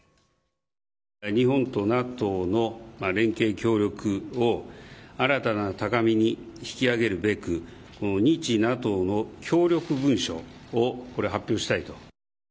日本とＮＡＴＯの連携協力を新たな高みに引き上げるべく、日ＮＡＴＯの協力文書を、これ、発表したいと。